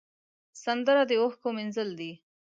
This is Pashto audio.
سندره د اوښکو مینځل دي